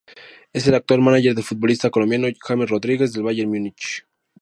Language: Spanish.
Es el actual mánager del futbolista colombiano James Rodríguez del bayern Múnich.